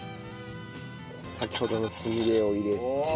先ほどのつみれを入れて。